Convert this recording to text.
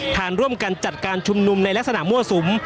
ฐานร่วมกันจัดการชุมนุมในลักษณะมั่วสุม